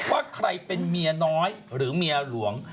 ว่าใครเป็นเมียน้อยหรือเมียหลวง